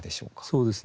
そうですね。